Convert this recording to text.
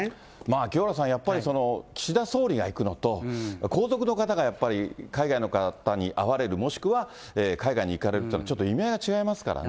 清原さん、やっぱり岸田総理が行くのと、皇族の方がやっぱり海外の方に会われる、もしくは海外に行かれるっていうのは、ちょっと意味合いが違いますからね。